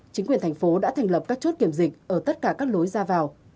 chính quyền thành phố đã thành lập các chốt kiểm dịch ở tất cả các lối ra vào